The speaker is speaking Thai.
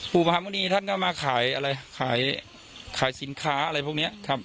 ปู่มหาหมุณีท่านก็มาขายอะไรขายสินค้าอะไรพวกนี้ครับ